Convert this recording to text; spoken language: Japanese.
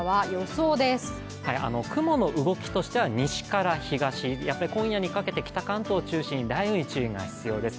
雲の動きとしては西から東今夜にかけて北関東を中心に雷雨に注意が必要です。